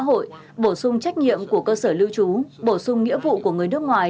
sửa đổi bổ sung trách nhiệm của cơ sở lưu trú bổ sung nghĩa vụ của người nước ngoài